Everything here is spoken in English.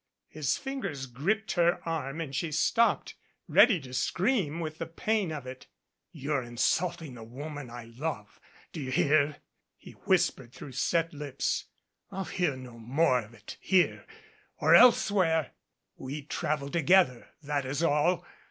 His fingers gripped her arm and she stopped, ready to scream with the pain of it. "You're insulting the woman I love. Do you hear?" he whispered through set lips. "I'll hear no more of it here or else where? We traveled together, that is all.